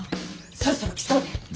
そろそろ来そうね！